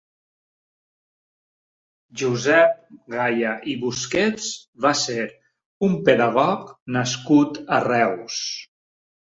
Josep Gaya i Busquets va ser un pedagog nascut a Reus.